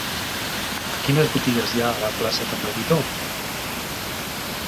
Quines botigues hi ha a la plaça de Meguidó?